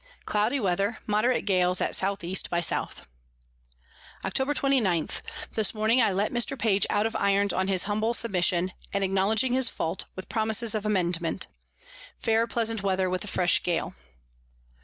Cloudy Weather, moderate Gales at S E by S. Octob. 29. This Morning I let Mr. Page out of Irons on his humble Submission, and acknowledging his Fault, with Promises of Amendment. Fair pleasant Weather, with a fresh Gale.